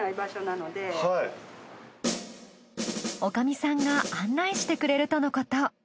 女将さんが案内してくれるとのこと。